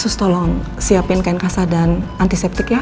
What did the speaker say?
terus tolong siapin kain kasa dan antiseptik ya